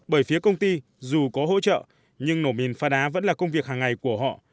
bởi phía công ty dù có hỗ trợ nhưng nổ mìn pha đá vẫn là công việc hàng ngày của họ